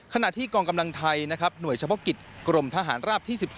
ขณะที่กองกำลังไทยนะครับหน่วยเฉพาะกิจกรมทหารราบที่๑๒